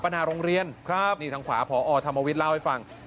หน้าโรงเรียนครับนี่ทางขวาพอธรรมวิทย์เล่าให้ฟัง